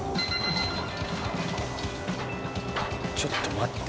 ちょっと待って。